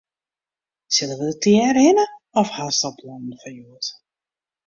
Sille we dêr tegearre hinne of hast al plannen foar hjoed?